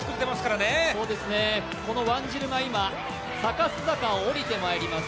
ワンジルが今、サカス坂を下りてまいります。